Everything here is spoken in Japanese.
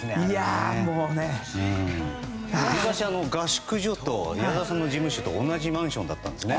昔、合宿所と矢沢さんの事務所と同じマンションだったんです。